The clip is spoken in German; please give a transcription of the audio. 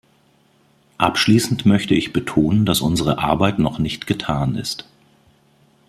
Abschließend möchte ich betonen, dass unsere Arbeit noch nicht getan ist.